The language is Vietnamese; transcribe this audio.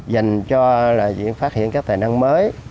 dành cho là diễn phát hiện các tài năng mới